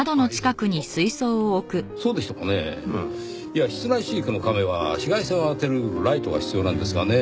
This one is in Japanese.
いや室内飼育の亀は紫外線を当てるライトが必要なんですがね